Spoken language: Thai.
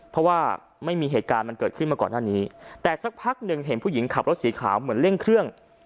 เพราะว่าไม่มีเหตุการณ์มันเกิดขึ้นมาก่อนหน้านี้แต่สักพักหนึ่งเห็นผู้หญิงขับรถสีขาวเหมือนเร่งเครื่อง